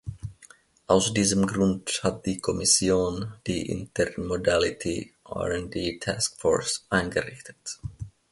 Aus diesem Grund hat die Kommission die Intermodality R & D Taskforce eingerichtet.